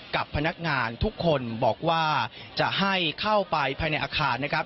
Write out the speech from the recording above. กับพนักงานทุกคนบอกว่าจะให้เข้าไปภายในอาคารนะครับ